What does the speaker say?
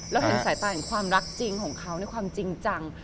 แล้วเห็นสายตาของความรักจริงของเขาในความจริงจัง